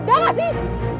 udah gak sih